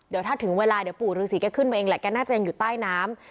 เดี๋ยวถ้าถึงเวลาเดี๋ยวปู่ฤษีแกขึ้นมาเองแหละแกน่าจะยังอยู่ใต้น้ำ